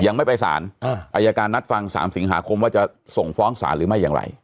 ยังไม่ไปสารอายการนัดฟัง๓สิงหาคมว่าจะส่งฟ้องศาลหรือไม่อย่างไร